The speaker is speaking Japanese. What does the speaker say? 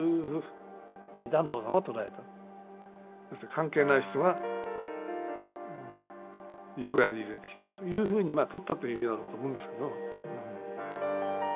関係ない人が横やり入れてきたというふうにまあ取ったという意味なんだと思うんですけど。